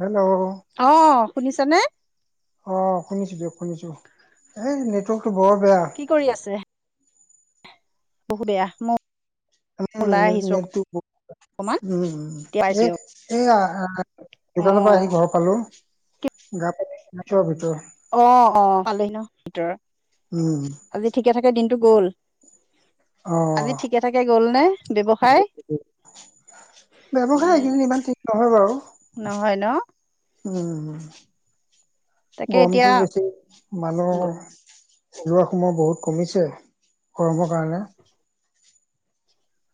Hello! অঁ শুনিছা নে? অঁ শুনিছোঁ দিয়ক শুনিছো এই নেটৱৰ্কটো বৰ বেয়া। কি কৰি আছে? বহু বেয়া সময়ত উম অকমান উম এ এতিয়া পাইছো দিয়ক [unintelligible] এয়া আ অ দোকানৰ পৰা আহি ঘৰ পালো গা পা [unintelligible] ভিতৰ। অ - অ পালেহি ন ভিতৰ উম আজি ঠিকে থাকে দিনটো গ'ল? অ আজি ঠিকে ঠাকে গ'ল নে ব্যৱসায়? ব্যৱসায় উম এইকেইদিন ইমান থিক নহয় বাৰু। নহয় ন উম - উম তাকে এতিয়া গৰমটো বেছি মানুহৰ। যোৱা সময় বহুত কমিছে গৰমৰ কাৰণে।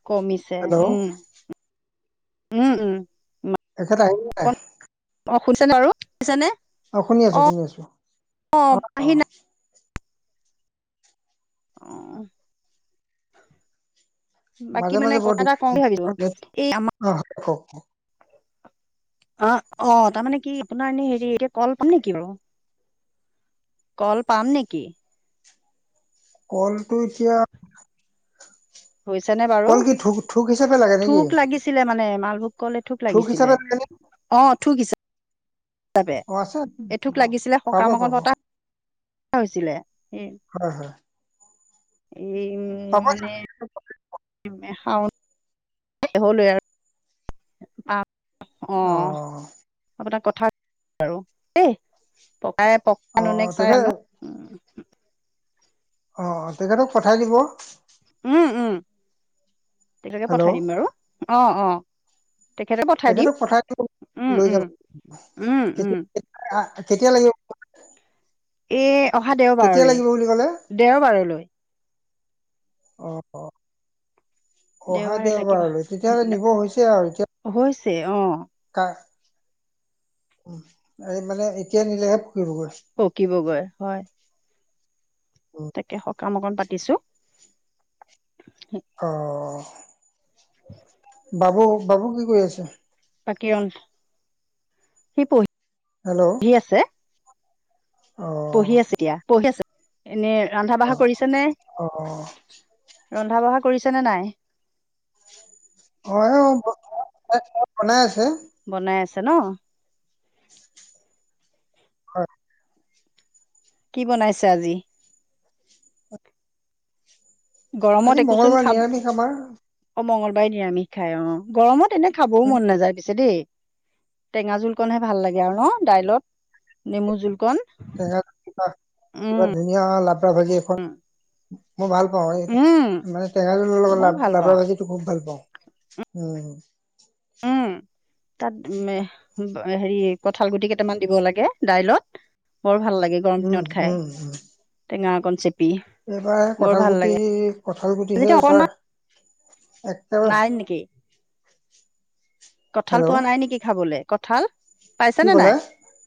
কমিছে হেল্ল' উম- উম -উম। এখেত আহিল নাই? অ শুনিছেনে বাৰু শুনিছে নে? অ শুনি আছো শুনি আছো অ -অ। পাহি নাই অ। বাকী মাজে মানে মাজে বৰ কতা দিগ এটা কওঁ দিগ ভাবিলোঁ এই আমাক অ কওঁক। অ -অ তাৰমানে কি আপোনাৰ এনে হেৰি এ কল পাম নেকি বাৰু‌? কল পাম নেকি? কলটো এতিয়া হৈছে নে বাৰু কল কি থোক থোক হিচাপে লাগে নেকি থোক লাগিছ ছিলে মানে মালভোগ কল এথোক থোক হিচাপে লাগিছিলে লাগে নে? অ থোক হিচাপে। [unintelligible] অ আছে আছে, এথোক লাগিছিলে পাব পাব সকামৰ [unintelligible] তাত হৈছিলে ওম হয় হয়। এই উম পাব মানে - মানে শাও অ [unintelligible] আপোনাক কথা আৰু দেই পকাই পক। অ- অ তেখে অ-অ তেখেতক পঠাই দিব। উম -উম [unintelligible] হেল্ল' পঠাই দিম বাৰু অ -অ। তেখেতকে পঠাই দিম তেখেতক দিব উম লৈ -উম। যাব উম উম কেতিয়া আ কেতিয়া লাগিব? [unintelligible] এ অহা কেতিয়া দেওবাৰলে, লাগিব বুলি ক'লে দেওবাৰলৈ। অ- অ। অহা দেওবাৰে লাগিব দেওবাৰলৈ তেতিয়াহলে নিব হৈছে আৰু এতিয়া হৈছে অ। কাৰ উম এই মানে এতিয়া নিলেহে পকিবগৈ। পকিবগৈ হয়। উম, তাকে সকাম অকন পাতিছো সে। অ। [inaudible] বাবু- বাবু কি কৰি আছে? বাকী অন সি পঢ়ি হেল্ল'। হি আছে। অ পঢ়ি আছে এতিয়া পঢ়ি আছে এনে ৰান্ধা অ অ বঢ়া কৰিছা নে? অ ৰন্ধা বঢ়া কৰিছে নে নাই? অ অ বনাই আছো। বনাই আছে ন? হয় কি বনাইছে আজি? আজি গৰমত একোচোন মঙ্গলবাৰ খাব নিৰামিষ আমাৰ অ মংগলবাৰে নিৰামিষ খাই অ গৰমত এনে খাবও উম। মন নাযায় পিছে দেই। টেঙা জোলকণহে ভাল লাগে আৰু ন দাইলত নেমু জোল কণ। তে কিবা কিবা ধুনীয়া লাবৰা ভাজি এখন। মই ভাল পাওঁ উম এই মানে টেঙা জোলৰ লগত মইও লাভ ভাল পাওঁ লাবৰা ভাজি। খুব ভাল পাওঁ উম। উম তাত উ হেৰি কঠাল গুটি কেইটামান দিব লাগে দাইলত। বৰ ভাল লাগে গৰম উম দিনত খাই উম উম টেঙা অকণ চেপ এইবাৰ কঁঠাল গুটি কঁঠাল গুটিহে যেতিয়া এইবাৰ অকণমান এক নাই নেকি? কঁঠাল হেল্ল' পোৱা নাই নেকি খাবলৈ ক‍ঁঠাল। পাইছে কি নে নাই ক'লে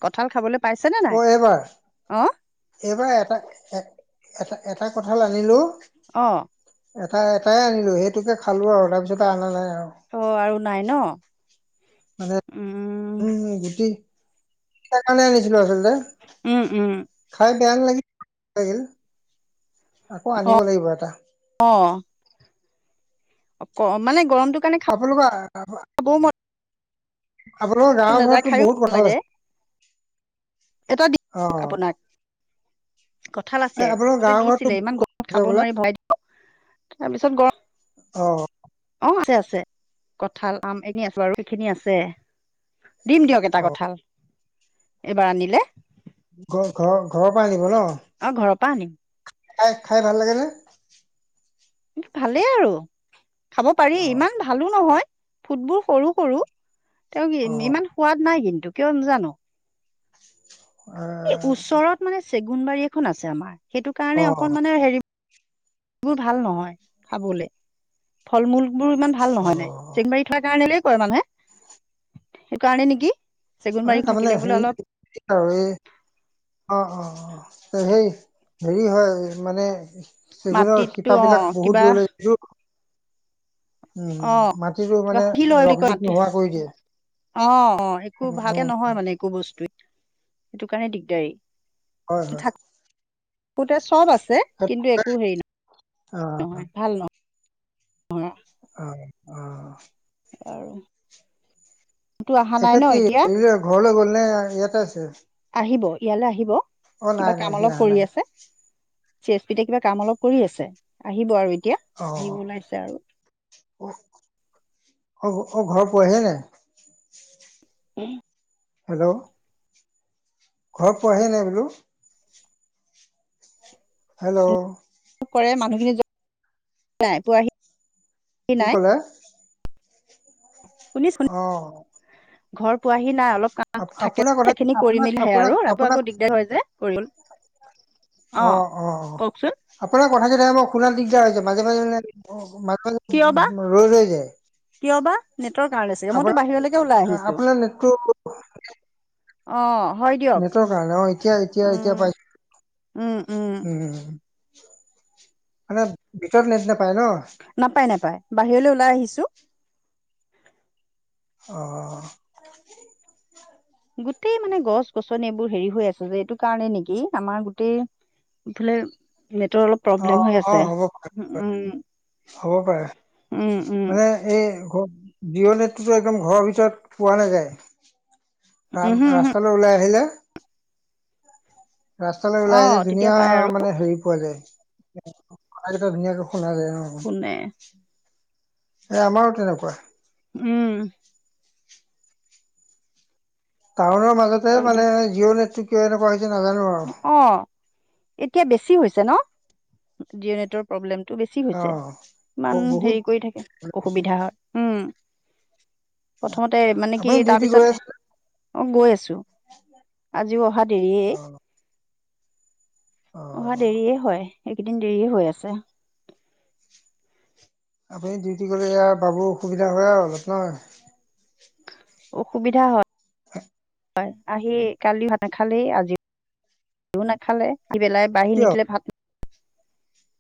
কঁঠাল খাবলৈ পাইছে নে নাই অ এইবাৰ অ? এইবাৰ এটা এ এটা এটা কঁঠাল আনিলো। অ এটা এটাই আনিলোঁ সেইটোকে খালোঁ আৰু তাৰপিছত আনা নাই আৰু অ আৰু নাই ন। মানে উম উম গুটি। সেইকাৰণে আনিছিলো আচলতে উম উম খাই বেয়া নালাগিল লাগিল। আকৌ আনিব লাগিব এটা। অ অ ক মানে গৰম আপোনালোকৰ আপোনালোকৰ গাওঁ নাযায় ঘৰতো খায়ো বহুত ভাল কঁঠাল লাগে আছে। এটা দিম অ আপোনাক। কঁঠাল এই আছে আপোনালোকৰ আগতে গাঁৱৰ ঘৰতো দিছিলে ইমান বহুত কঁঠাল গৰমত আছে খাব বোলে নোৱাৰি ভয় দিব তাৰপিছত গৰম। অ অ আছে আছে কঁঠাল, আম এনে আছো বাৰু এইখিনি আছে। দিম দিয়া এটা অ কঁঠাল এইবাৰ আনিলে। ঘ ঘৰ ঘৰৰ পৰা আনিব ন? অ ঘৰৰ পৰা আনিম। খাই খাই ভাল লাগেনে? ভালেই আৰু খাব পাৰি অ ইমান ভালো নহয় ফুডবোৰ সৰু সৰু। তেওঁ কি অ ইমান সোৱাদ নাই কিন্তু কিয় নাজানো। এ এই ওচৰত মানে চেগুন বাৰী এখন আছে আমাৰ সেইটো অ কাৰণে অকণ মানে হেৰি বোৰ ভাল নহয় খাবলৈ ফল- মূল বোৰ ইমান ভাল অ নহয় মানে চেংবাৰীত। সেইকাৰণে কয় মানুহে সেই কাৰণে নেকি চেগুন এই বাৰীত তাৰমানে থাকিলে হেৰি বোলে অলপ আৰু এই অ অ অ সেই হেৰি হয় মানে চেগুনৰ মাটিতো অ শিপাবিলাক বহুত কিবা দূৰলৈ উম উম অ মাটিটো কিবা মানে সুহি লয় বুলি কয় ৰকজিত মাটি নোহোৱা কৰি দিয়ে। অ অ একো উম ভালকে উম নহয় মানে একো বস্তুৱে, সেইটো কাৰণে দিগদাৰী‌। হয়, হয়‌। থাকোতে চব আছে কিন্তু একো হেৰি নহয়, অ নহয়, ভাল নহয়। অ', অ'। আৰু তো অহা নাই এখেত ন কি এতিয়া [unintelligible] ঘৰলৈ গ'ল নে ইয়াতে আছে? আহিব ইয়ালৈ আহিব অ নাই কিবা নাই কাম সি অলপ অহা নাই কৰি আছে। চি এছ পি তে কিবা কাম অলপ কৰি আছে, আহিব আৰু এতিয়া। আহিব অ', ওলাইছে আৰু অ', অ', অ', ঘৰ পোৱাহিয়ে নাই? উম। হেল্ল'? ঘৰ পোৱাহিয়ে নাই বোলো? হেল্ল'? কৰে মানুহখিনি [unintelligible] পোৱাহি। কি নাই ক'লে? শুনিচে? অ'। ঘৰ পোৱাহি নাই অলপ কাম থাকে আপোনাৰ কথা সেইখিনি কৰি আপোনাক [unintelligible] হে, আপোনাক আৰু ৰাতি আপোনাক আকৌ দিগদাৰ হয় যে কৰিবলে। অ', অ', অ', কওকচোন আপোনাৰ কেইটা হে মই শুনাত দিগদাৰ হৈছে মাজে মাজে মানে মাজে কিয় বা মাজে ৰৈ ৰৈ যায়। কিয় বা নেটৰ কাৰণে চাগে মইতো বাহিৰলৈকে ওলাই আপোনাৰ আহিছো আপোনাৰ নেটটো অ', হয় দিয়ক। নেটৰ কাৰণে অ', এতিয়া এতিয়া উম এতিয়া পাইছো, উম। মানে ভিতৰত নেট নাপায় ন'? নাপায় নাপায় বাহিৰলৈ ওলাই আহিছো। অ'। গোতেই মানে গছ-গছনি এইবোৰ হেৰি হৈ আছে যে, এইটো কাৰণে নেকি আমাৰ গোটেই এফালে নেটৰ অলপ প্ৰব্লেম অ', হৈ আছে অ', হ'ব পাৰে উম হ'ব পাৰে উম উম মানে এই ঘ জিঅ' নেটটোটো একদম ঘৰৰ ভিতৰত পোৱা নাযায়। উমহু উমহু ৰাস্তালৈ ওলাই আহিলে ৰাস্তালৈ অ ওলাই আহিলে য তেতিয়া ধুনীয়া পাই আৰু মানে হেৰি পোৱা যায়, কথা কেইটা ধুনীয়াকে শুনা যায় অ'। শুনে এই আমাৰো তেনেকুৱা। উম। টাউনৰ মাজতে হয় মানে দিয়ক জিঅ' নেটটো কিয় এনেকুৱা হৈছে নাজানো আৰু। অ', এতিয়া বেছি হৈছে ন' জিঅ' নেটৰ প্ৰব্লেমতটো বেছি হৈছে, অ ইমান বহুত হেৰি কৰি থাকে, অসুবিধা হয়। উম, প্ৰথমতে মানে কি আপুনি ডিউটি গৈ তাৰপিছত আছে অ', গৈ আছো আজিও অহা দেৰিয়েই। অ অ অহা দেৰিয়ে হয়, এইকেইদিন দেৰিয়ে হৈ আছে। আপুনি ডিউটি গ'লে ইয়াৰ বাবু অসুবিধা হয় আৰু অলপ ন'? অসুবিধা হয়। হয়, আহি কালিও ভাত নাখালেই আজিও নাখালে, আহি পেলাই বাঢ়ি কিয় নিদিলে ভাত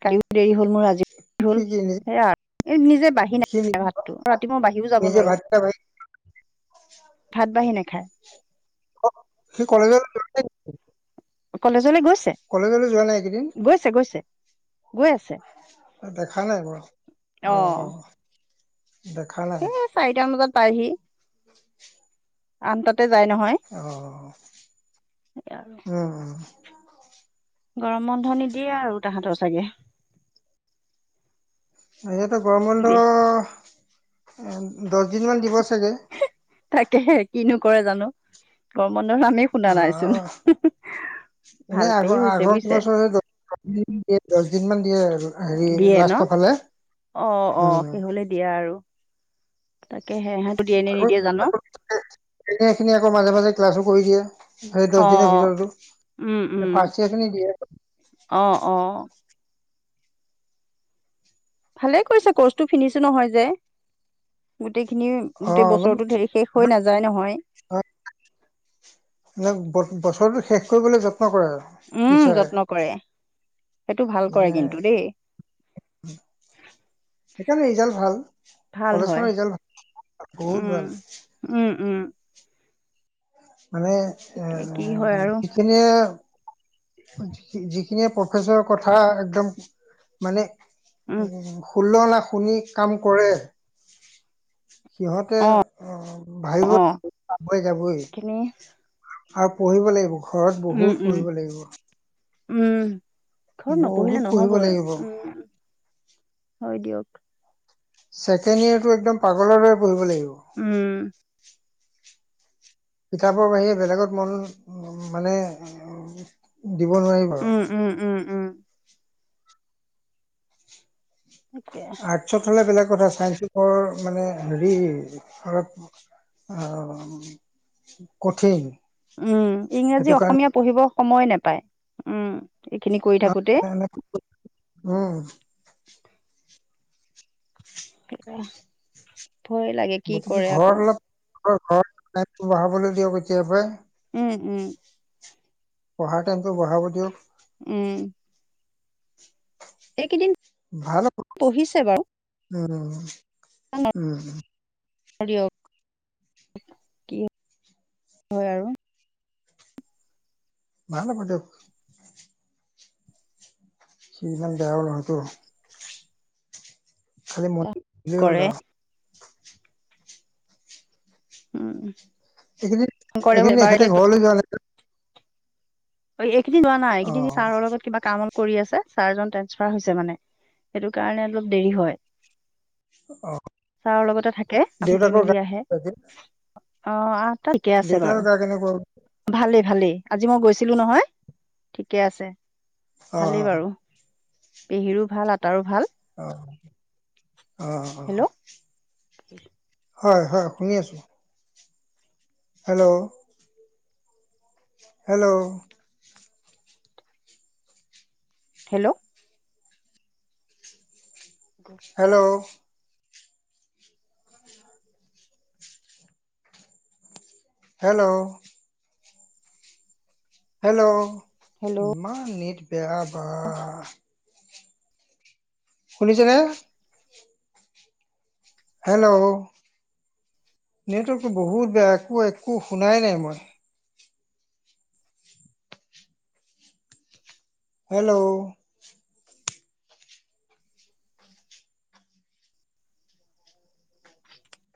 কালিও দেৰি হ'ল মোৰ আজিও [unintelligible] সি হ'ল। কি নিজে সেয়া এই নিজে বাঢ়ি সি নাখাই ভাতটো, ৰাতিপুৱা মই বাঢ়িও যাব নিজে নোৱাৰো। ভাতকেইটা ভাগি ভাত বাঢ়হি নাখায়। অঁ সি কলেজলৈ কলেজলে গৈ কলেজলে যোৱা নাই এইকেইদিন। ছে গৈছে, গৈ আছে। দেখা নাই মই অ দেখা নাই। সেই চাৰিটামান বজাত পাইহি। [unintelligible] আঠনতাতে যায় নহয়। অঁহ উম। গৰম বন্ধ নিদিয়ে আৰু তাহাঁতৰ চাগে? সিহঁত গৰম বন্ধ দিয়ে, দশ দিনমান দিব চাগে। তাকেহে কিনো কৰে জানো, গৰম বন্ধত আমি অ শুনা নাইচোন, এনে ভালেই আগৰ হৈছে আগৰ বুজিছে। বছৰে দহ দিয়ে দশ দিনমান দিয়ে হেৰি দিয়ে লাষ্টৰ ফালে উম। হলে দিয়া আৰু, তাকেহে ইহঁত দিয়ে নে নিদিয়ে জানো? সে সেইখিনি আকৌ মাজে মাজে ক্লাছো কৰি দিয়ে। সেই দশ দিনৰ অ', ভিতৰটো, ফাৰ্ষ্টইযাৰ খিনি দিয়ে। অঁ অঁ। ভালে কৰিছে কৰ্চটো ফিনিচো নহয় যে, গোটেই খিনি অ গোটেই অলপ বছৰতো ধৰি শেষ হৈ নাযায় নহয়। নে বছৰটো শেষ কৰিবলৈ যত্ন কৰে আৰু। উম যত্ন কৰে, সেইটো ভাল কৰে মানে কিন্তু দেই। সেইকাৰণে ৰিজাল ভাল। ভাল কলেজ হয় খনৰ ৰিজাল্ট বহুত উম ভাল। উম উম। মানে এ তাকে কি হয় আৰু যিখিনিয়ে যিখিনিয়ে প্ৰফেচৰ কথা একদম মানে উম হুলনা শুনি কাম কৰে, সিহঁতে অ অঁ অ ভাবিব যাবই। খিনি আৰু পঢ়িব লাগিব ঘৰত উম বহুত উম পঢ়িব লাগিব। উম, ঘৰত বহুত নপঢ়িলে পঢ়িব নহবই লাগিব উম। হয় দিয়ক। ছেকেণ্ড ইয়েৰটো একদম পাগলৰ দৰে পঢ়িব লাগিব। উম। কিতাপৰ বাহিৰে বেলেগত মন মানে দিব নোৱাৰিব আৰু। উম উম উম উম। তাকে আৰ্টছত হ'লে বেলেগ কথা চাইন্ঞ্চ বৰ মানে হেৰি অলপ অঁ কঠিন। উম ইংৰাজী, সেইটো অসমীয়া পঢ়িব সময় নেপায় উম। এইখিনি কৰি থাকোতে [inaudible] তাকে ভয়ে লাগে কি গতিকে কৰে আকৌ? ঘৰত পঢ়াবলৈ দিয়ক এতিয়াৰ পৰাই। উম উম। পঢ়াৰ টাইমটো বঢ়াব দিয়ক। উম। এইকেইদিন। ভাল পঢ়িছে বাৰু উম, উম। দিয়ক। কি হয়, আৰু ভাল হ'ব দিয়ক। সি ইমান বেয়াও নহয় তোৰ। খালি মন দিলেই হ'ল কৰে আৰু উম। এইকেইদিন, কৰে একেইদিন এখেতে এবাৰ ঘৰলৈ যোৱা নাই। অ' এইকেইদিন যোৱা নাই। অ এইকেইদিন ছাৰৰ লগত কিবা কাম কৰি আছে। চাৰজন ট্ৰান্সফাৰ হৈছে মানে, সেইটো কাৰণে অলপ দেৰি হয়। অ ছাৰৰ লগতে থাকে। থাকি দেউতাকৰ গা মেলি আহে অ' আহ ঠিকে আছে দেউতাকৰ বাৰু। গা কেনেকুৱা ভালেই, ভালেই আজি মই গৈ ছিলোঁ নহয়, ঠিকে আছে অ ভালেই বাৰু। পেহীৰো ভাল, আতাৰো ভাল। অহ' অ' হেল্ল' অ'। [unintelligible] হয়, হয়, শুনি আছোঁ। Hello hello hello hello hello hello hello ইমান নেট বেয়া বা শুনিছানে? হেল্ল' নেটৱৰ্কটো বহুত বেয়া একো, একো মই শুনাই নাই মই। হেল্ল'